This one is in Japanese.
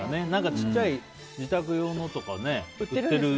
小さい自宅用のとか、売ってる。